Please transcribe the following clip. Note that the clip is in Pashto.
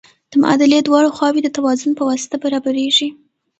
د معادلې دواړه خواوې د توازن په واسطه برابریږي.